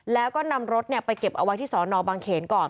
แล้วก็นำรถไปเก็บเอาไว้ที่สอนอบางเขนก่อน